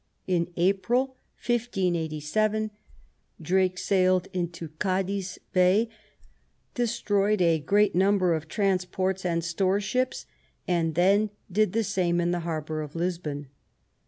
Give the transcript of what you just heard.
In April, 1587, Drake sailed into Cadiz Bay, destroyed a great number of trans ports and store ships, and then did the same in the harbour of Lisbon.